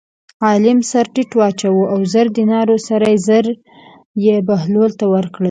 عالم سر ټیټ واچاوه او زر دیناره سره زر یې بهلول ته ورکړل.